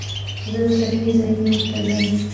زه د تفریح ځایونو ته ځم.